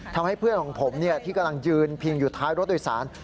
ทำให้เพื่อนของผมที่กำลังยืนพิงอยู่ท้ายรถโดยสาร